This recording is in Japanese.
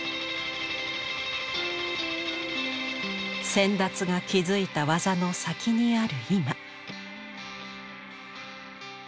先達が築いた技の先にある今。